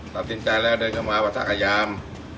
ตอบติดใจแล้วเดินเข้ามาวัฒนากยาม